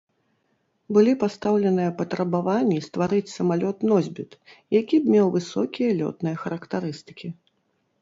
Былі пастаўленыя патрабаванні стварыць самалёт-носьбіт, які б меў высокія лётныя характарыстыкі.